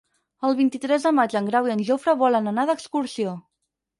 El vint-i-tres de maig en Grau i en Jofre volen anar d'excursió.